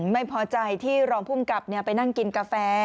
ไม่พอใจที่รองภูมิกับไปนั่งกินกาแฟ